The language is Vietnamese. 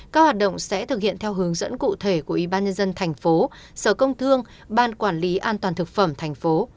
các hoạt động sẽ thực hiện theo hướng dẫn cụ thể của ybnd tp sở công thương ban quản lý an toàn thực phẩm tp